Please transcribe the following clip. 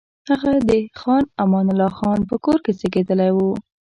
هغه د خان امان الله خان په کور کې زېږېدلی وو.